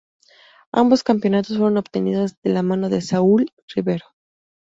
Ambos campeonatos fueron obtenidos de la mano de Saúl Rivero.